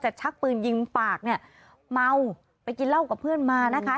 ชักปืนยิงปากเนี่ยเมาไปกินเหล้ากับเพื่อนมานะคะ